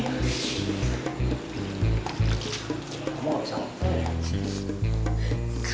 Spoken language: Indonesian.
kamu gak bisa ngepel ya